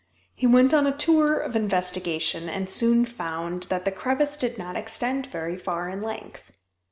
He went on a tour of investigation, and soon found that the crevice did not extend very far in length.